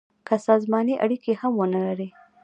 که سازماني اړیکي هم ونه لري.